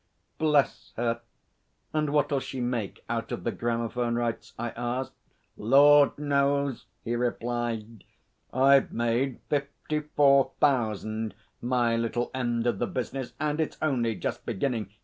'Bless her! And what'll she make out of the gramophone rights?' I asked. 'Lord knows!' he replied. 'I've made fifty four thousand my little end of the business, and it's only just beginning.